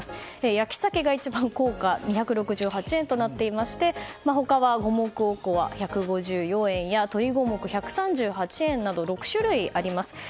焼さけが一番高価で２６８円となっていまして他は五目おこわ１５４円や鶏五目１３８円など６種類あります。